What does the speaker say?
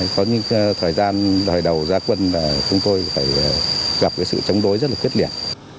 có những thời gian đời đầu gia quân là chúng tôi phải gặp sự chống đối rất là quyết liệt